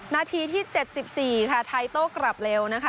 นาทีที่เจ็ดสิบสี่ค่ะไทโต้กลับเร็วนะคะ